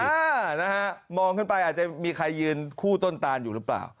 อ่านะฮะมองขึ้นไปอาจจะมีใครยืนคู่ต้นตานอยู่หรือเปล่า